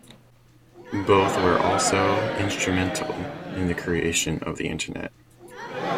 Both were also instrumental in the creation of the Internet.